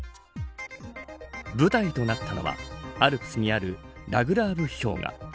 舞台となったのはアルプスにあるラ・グラーヴ氷河。